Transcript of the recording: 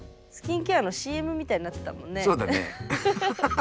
スキンケアのＣＭみたいになってたもんね。